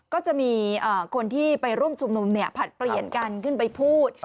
ก็จะมีคนที่ไปร่วมชุมนุมผลัดเปลี่ยนกันขึ้นไปพูด